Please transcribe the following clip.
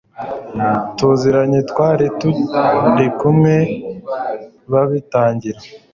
turaziranye twari turikumwe babitangira